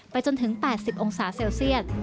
จนถึง๘๐องศาเซลเซียต